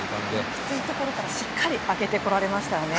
きついところからしっかり上げてこられましたよね。